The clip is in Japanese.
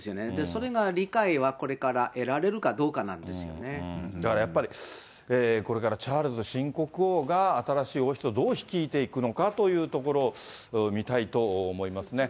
それが理解は、これから得られるだからやっぱり、これからチャールズ新国王が、新しい王室をどう率いていくのかというところ、見たいと思いますね。